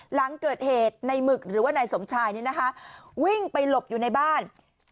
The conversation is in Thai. หลังเกิดเหตุในหมึกหรือว่านายสมชายนี่นะคะวิ่งไปหลบอยู่ในบ้าน